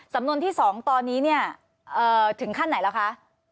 สำนวนที่๒ตอนนี้เนี่ยถึงขั้นไหนแล้วคะ